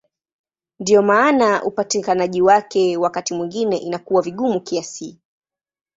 Ndiyo maana upatikanaji wake wakati mwingine inakuwa vigumu kiasi.